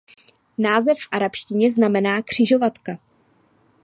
Název v arabštině znamená "křižovatka".